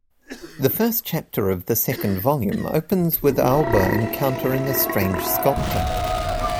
The first chapter of the second volume opens with Aoba encountering a strange sculptor.